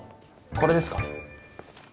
これですか？